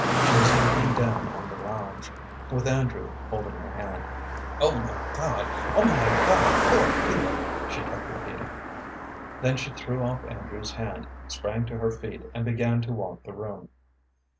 She was lying down on the lounge, with Andrew holding her hand. "Oh, my God! Oh, my God! Poor Eva!" she kept repeating. Then she threw off Andrew's hand, sprang to her feet, and began to walk the room.